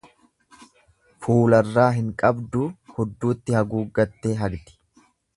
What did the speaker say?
Fuularraa hin qabduu hudduutti haguuggattee hagdi.